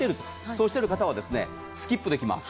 そうした方はスキップできます。